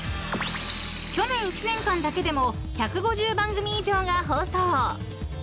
［去年１年間だけでも１５０番組以上が放送］